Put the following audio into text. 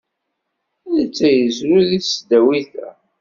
Netta yezrew deg tesdawit-a.